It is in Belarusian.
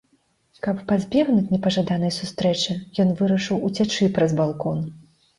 Каб пазбегнуць непажаданай сустрэчы ён вырашыў уцячы праз балкон.